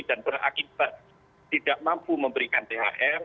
dan berakibat tidak mampu memberikan thr